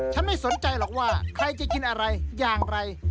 ไม่สนใจหรอกว่าใครจะกินอะไรอย่างไร